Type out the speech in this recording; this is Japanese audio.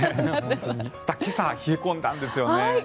今朝冷え込んだんですよね。